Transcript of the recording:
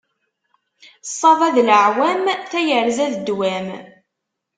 Ṣṣaba d leɛwam, tayerza d ddwam.